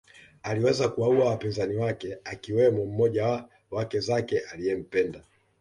Aliweza kuwaua wapinzani wake akiwemo mmoja wa wake zake aliempenda